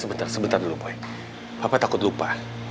oi sebentar dulu boy papa takut lupa